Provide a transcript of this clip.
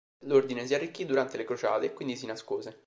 L'Ordine si arricchì durante le crociate e quindi si nascose.